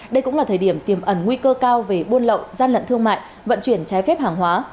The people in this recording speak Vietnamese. đây cũng là thời điểm tiềm ẩn nguy cơ cao về buôn lậu gian lận thương mại vận chuyển trái phép hàng hóa